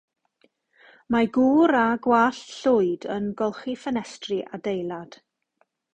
Mae gŵr â gwallt llwyd yn golchi ffenestri adeilad.